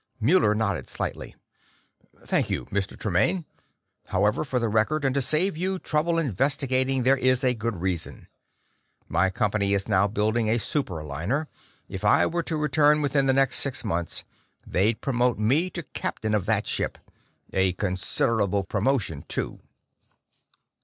Muller nodded slightly. "Thank you, Mr. Tremaine. However, for the record, and to save you trouble investigating there is a good reason. My company is now building a super liner; if I were to return within the next six months, they'd promote me to captain of that ship a considerable promotion, too."